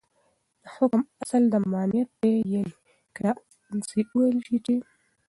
دحكم اصل ، ممانعت دى يعني كه داسي وويل سي چې